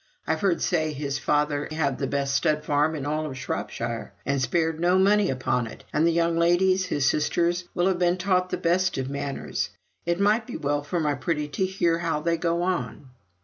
I've heard say his father had the best stud farm in all Shropshire, and spared no money upon it; and the young ladies his sisters will have been taught the best of manners; it might be well for my pretty to hear how they go on."